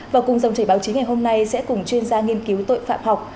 và cùng dòng chảy báo chí ngày hôm nay sẽ cùng chuyên gia nghiên cứu tội phạm học